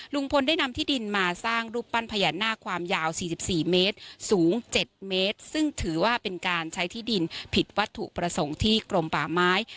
ลุงพลได้นำที่ดินมาสร้างรูปปั้นพญานาคความยาว๔๔เมตรสูง๗เมตรซึ่งถือว่าเป็นการใช้ที่ดินผิดวัตถุประสงค์ที่กรมป่าไม้